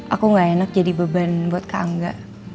aku gak enak jadi beban buat kak angga